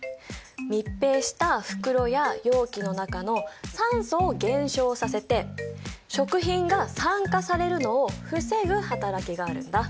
密閉した袋や容器の中の酸素を減少させて食品が酸化されるのを防ぐはたらきがあるんだ。